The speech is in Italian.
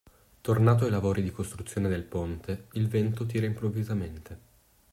Tornato ai lavori di costruzione del ponte, il vento tira improvvisamente.